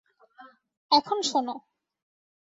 এখন, শোনো।